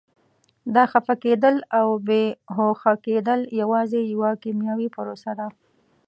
دا خفه کېدل او بې هوښه کېدل یوازې یوه کیمیاوي پروسه ده.